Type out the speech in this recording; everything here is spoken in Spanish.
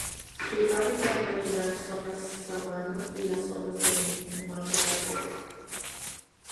Su hábitat natural son las sabana y las zonas de matorral seco.